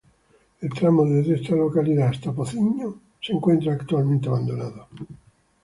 El tramo desde esta localidad hasta Pocinho se encuentra actualmente abandonado.